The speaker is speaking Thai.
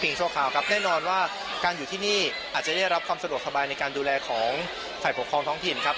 ชั่วคราวครับแน่นอนว่าการอยู่ที่นี่อาจจะได้รับความสะดวกสบายในการดูแลของฝ่ายปกครองท้องถิ่นครับ